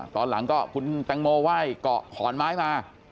ตอนหลังก็คุณแตงโมไหว้เกาะขอนไม้มา